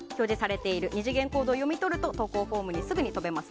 ２次元コードを読み取ると投稿フォームにすぐ飛びます。